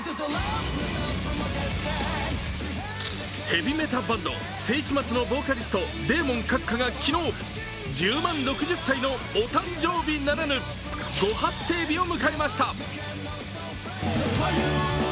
ヘヴィメタバンド・聖飢魔Ⅱのボーカリストデーモン閣下が昨日、１０万６０歳のお誕生日、ならぬ、ご発生日を迎えました。